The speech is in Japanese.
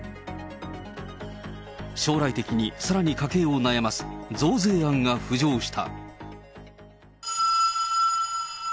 将来的にさらに家計を悩ます増税案が浮上した。